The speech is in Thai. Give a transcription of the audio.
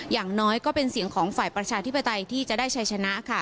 อย่างน้อยก็เป็นเสียงของฝ่ายประชาธิปไตยที่จะได้ชัยชนะค่ะ